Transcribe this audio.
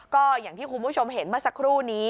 ก็อย่างที่คุณผู้ชมเห็นเมื่อสักครู่นี้